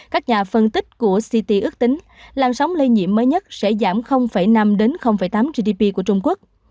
các nhà phân tích của ct ước tính làn sóng lây nhiễm mới nhất sẽ giảm năm đến tám gdp của trung quốc